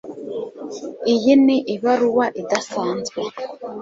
Iyi ni ibaruwa idasanzwe.